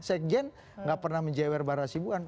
sekjen nggak pernah menjewer bara sibuan